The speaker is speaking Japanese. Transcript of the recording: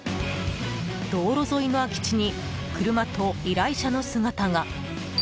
道路沿いの空き地に車と依頼者の姿が。